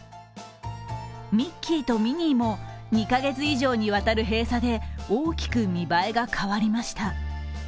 ミッキーとミニーも２カ月以上にわたる閉鎖で大きく見栄えが変わりました。